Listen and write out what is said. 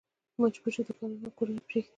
مجبور شي دوکانونه او کورونه پرېږدي.